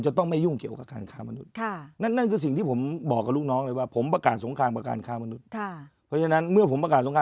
ว่าทุกคืณรู้หน้าที่ที่ของตัวเอง